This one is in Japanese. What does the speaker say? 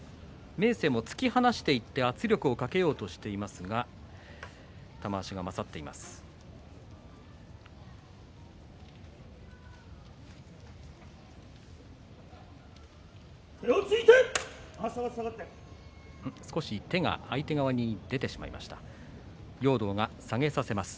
明生が突き放していって圧力をかけようとしていますが玉鷲が勝っています。